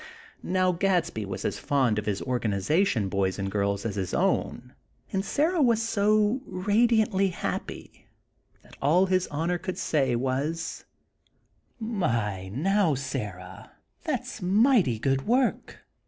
Now Gadsby was as fond of his Organization boys and girls as of his own; and Sarah was so radiantly happy that all His Honor could say was: "My, now, Sarah! That's mighty good work!